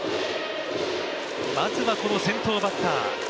まずは先頭バッター